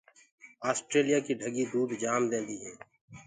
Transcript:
اسٽيليِآ ڪي ڍڳي دود جآم ديندي هي۔